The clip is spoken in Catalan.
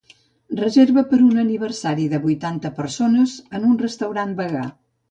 Reserva per a un aniversari de vuitanta persones en un restaurant vegà.